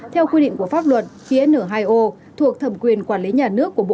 theo quy định của pháp luật khí n hai o thuộc thẩm quyền quản lý nhà nước của bộ